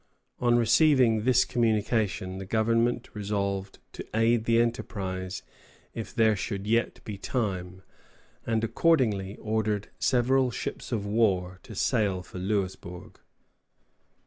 ] On receiving this communication, the Government resolved to aid the enterprise if there should yet be time, and accordingly ordered several ships of war to sail for Louisbourg.